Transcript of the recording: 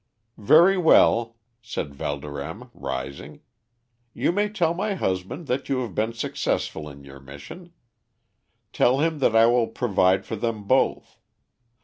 "Very well," said Valdorême, rising. "You may tell my husband that you have been successful in your mission. Tell him that I will provide for them both.